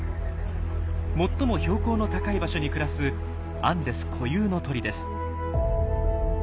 最も標高の高い場所に暮らすアンデス固有の鳥です。